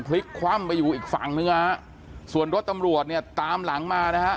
พลิกคว่ำไปอยู่อีกฝั่งนึงฮะส่วนรถตำรวจเนี่ยตามหลังมานะฮะ